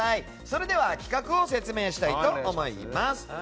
それでは企画を説明したいと思います。